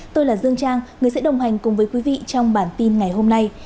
tôi là dương trang người sẽ đồng hành cùng với quý vị trong bản tin ngày hôm nay